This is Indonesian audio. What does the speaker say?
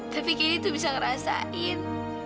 tapi candy tuh bisa ngerasain